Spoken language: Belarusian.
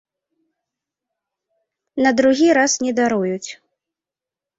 На другі раз не даруюць.